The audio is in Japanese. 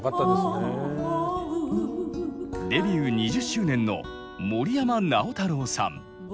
デビュー２０周年の森山直太朗さん。